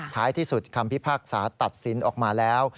ท้ายที่สุดคำพิพากษาตัดสินออกมาแล้ว